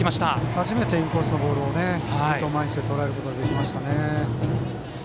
初めてインコースのボールをポイントを前にしてとらえることができましたね。